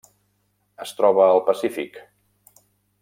Es troba al Pacífic: